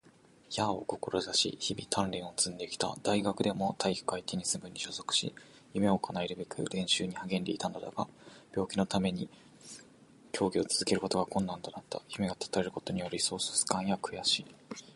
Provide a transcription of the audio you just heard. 私は幼少期からプロテニスプレイヤーを志し、日々鍛錬を積んできた。大学でも体育会テニス部に所属し、夢を叶えるべく練習に励んでいたのだが、病気のため競技を続けることが困難となった。夢が断たれたことによる喪失感や悔しさは計り知れないものであった。